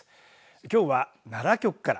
きょうは奈良局から。